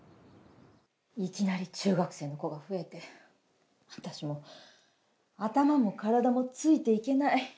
いきなり中学生の子が増えて私もう頭も体もついていけない。